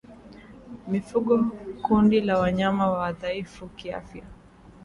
mifugo kundi la wanyama wadhaifu kiafya